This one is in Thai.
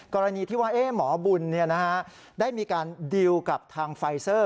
กรณีที่ว่าหมอบุญได้มีการดีลกับทางไฟเซอร์